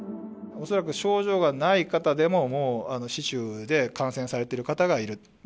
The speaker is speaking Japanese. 恐らく症状がない方でも、もう市中で感染されてる方がいると。